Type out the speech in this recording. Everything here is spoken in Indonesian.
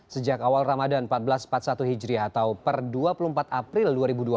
sejak awal ramadan seribu empat ratus empat puluh satu hijri atau per dua puluh empat april dua ribu dua puluh